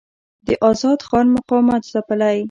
د آزاد خان مقاومت ځپلی.